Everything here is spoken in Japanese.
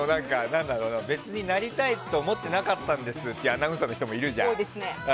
別になりたいって思ってなかったんですっていうアナウンサーって人もいるじゃん。